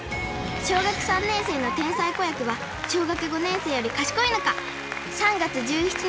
小学３年生の天才子役は小学５年生より賢いのか？